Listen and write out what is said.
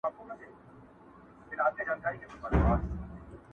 چي خبره د رښتیا سي هم ترخه سي،